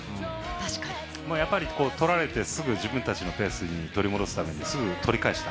取られてすぐ自分たちのペースが取り戻せたので、すぐ取り返した。